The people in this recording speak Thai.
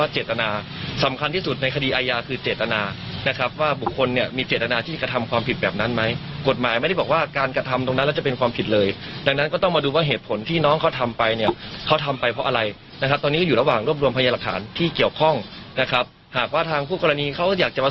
จะเป็นอย่างไรผมเชื่อว่ากระบวนการยุติธรรมเนี่ยจะให้ความเป็นธรรม